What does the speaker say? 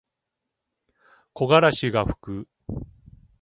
木枯らしがふく。